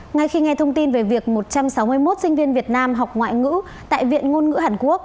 ngay khi nghe thông tin về việc một trăm sáu mươi một sinh viên việt nam học ngoại ngữ tại viện ngôn ngữ hàn quốc